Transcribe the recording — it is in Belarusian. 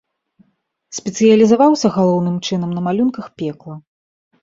Спецыялізаваўся, галоўным чынам, на малюнках пекла.